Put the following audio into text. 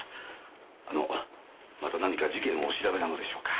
あのまた何か事件をお調べなのでしょうか？